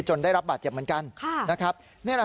จนได้รับบัตรเจ็บเหมือนกัน